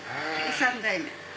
３代目。